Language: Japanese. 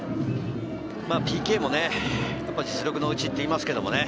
ＰＫもね、やっぱり実力のうちといいますけどね。